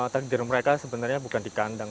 takdir mereka sebenarnya bukan dikandang